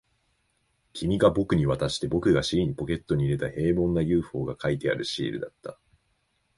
君が僕に渡して、僕が尻にポケットに入れた、平凡な ＵＦＯ が描いてあるシールだった